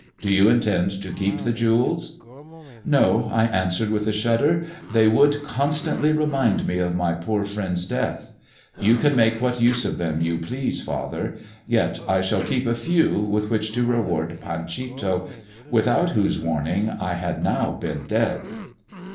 Do you intend to keep the jewels ^"" No," I answered, with a shudder ;" they would con stantly remind me of my poor friend's death. You can make what use of them you please, father. Yet I shall keep a few, with which to reward Panchito, without whose warning I had now been dead."